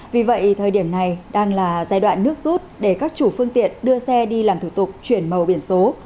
vì vậy thời điểm này đang là giai đoạn nước rút để các chủ phương tiện đưa xe đi làm thủ tục chuyển màu biển số